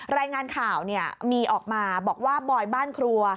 รายงานข่าวมีออกมาบอกว่าบอยบ้านครัว